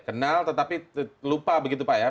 kenal tetapi lupa begitu pak ya